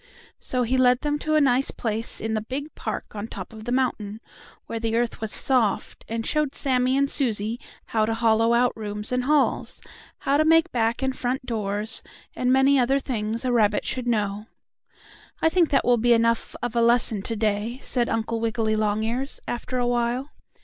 So he led them to a nice place in the big park on top of the mountain, where the earth was soft, and showed Sammie and Susie how to hollow out rooms and halls, how to make back and front doors, and many other things a rabbit should know. "I think that will be enough of a lesson to day," said Uncle Wiggily Longears, after a while.